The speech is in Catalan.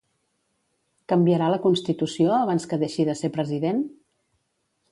Canviarà la Constitució abans que deixi de ser president?